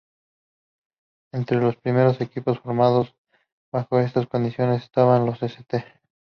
Entre los primeros equipos formados bajo estas condiciones estaban los "St.